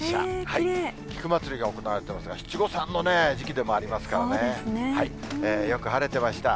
菊祭りが行われていますが、七五三の時期でもありますからね、よく晴れてました。